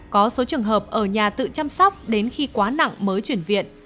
có số trường hợp ở nhà tự chăm sóc đến khi quá nặng mới chuyển viện